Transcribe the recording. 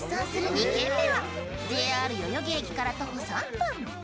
２軒目はＪＲ代々木駅から徒歩３分。